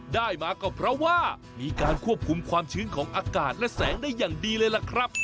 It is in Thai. ได้มาก็เพราะว่ามีการควบคุมความชื้นของอากาศและแสงได้อย่างดีเลยล่ะครับ